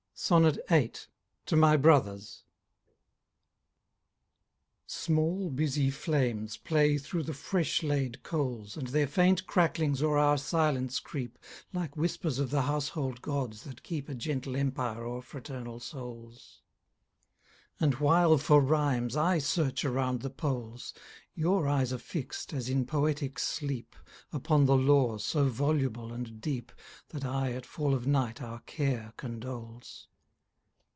VIII. TO MY BROTHERS. Small, busy flames play through the fresh laid coals, And their faint cracklings o'er our silence creep Like whispers of the household gods that keep A gentle empire o'er fraternal souls. And while, for rhymes, I search around the poles, Your eyes are fix'd, as in poetic sleep, Upon the lore so voluble and deep, That aye at fall of night our care condoles.